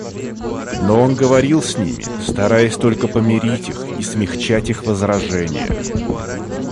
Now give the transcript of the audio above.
Но он говорил с ними, стараясь только помирить их и смягчать их возражения.